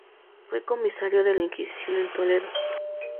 Fue comisario de la Inquisición en Toledo.